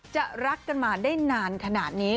รักกันมาได้นานขนาดนี้